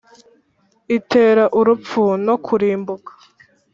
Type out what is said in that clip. itera urupfu no kurimbuka.